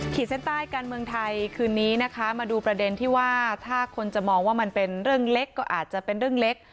เส้นใต้การเมืองไทยคืนนี้นะคะมาดูประเด็นที่ว่าถ้าคนจะมองว่ามันเป็นเรื่องเล็กก็อาจจะเป็นเรื่องเล็ก